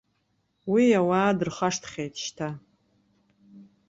Уи ауаа дырхашҭхьеит шьҭа.